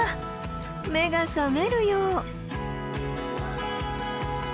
目が覚めるよう。